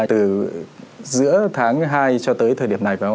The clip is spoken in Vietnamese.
từ giữa tháng hai cho tới thời điểm này